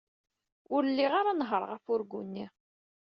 Ur lliɣ ara nehhṛeɣ afurgu-nni.